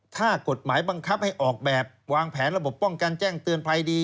ถ้ากฎหมายบังคับให้ออกแบบวางแผนระบบป้องกันแจ้งเตือนภัยดี